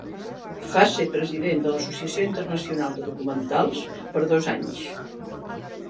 Fa ser president de l’Associació Internacional de Documentals per dos anys.